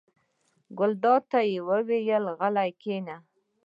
ګلداد ته یې وویل: ته غلی کېنه.